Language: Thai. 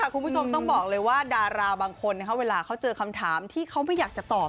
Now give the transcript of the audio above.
คุณผู้ชมต้องบอกเลยว่าดาราบางคนเวลาเขาเจอคำถามที่เขาไม่อยากจะตอบ